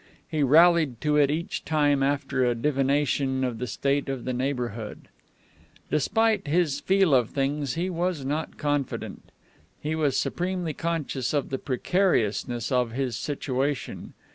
He rallied to it each time after a divination of the state of the neighborhood. Despite his feel of things, he was not confident. He was supremely conscious of the precariousness of his situation.